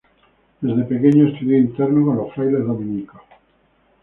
Desde pequeño estudió interno con los frailes dominicos.